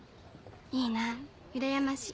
いいなうらやましい。